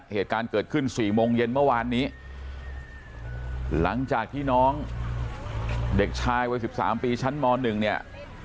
เหตุการณ์เกิดขึ้น๔โมงเย็นเมื่อวานนี้หลังจากที่น้องเด็กชายวัย๑๓ปีชั้นม๑เนี่ย